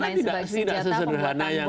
saya kira tidak sesederhana yang